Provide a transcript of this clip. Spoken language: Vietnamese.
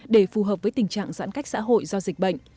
để phù hợp với tình trạng giãn cách xã hội do dịch bệnh